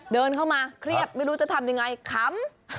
เดินเข้ามาเครียดไม่รู้จะทำยังไงขำ